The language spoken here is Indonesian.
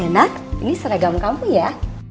nenek ini seregam kamu ya